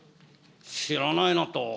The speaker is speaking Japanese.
知らないなと。